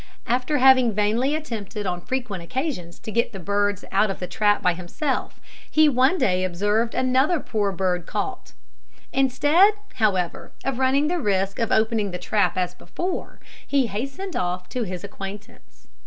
After having vainly attempted on frequent occasions to get the birds out of the trap by himself, he one day observed another poor bird caught. Instead, however, of running the risk of opening the trap as before, he hastened off to his acquaintance.